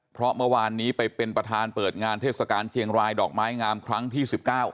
เพราะเมื่อวานนี้ไปเป็นประธานเปิดงานเทศกาลเชียงรายดอกไม้งามครั้งที่๑๙